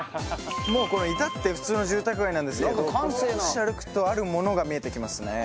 もうこれ至って普通の住宅街なんですけど少し歩くとあるものが見えてきますね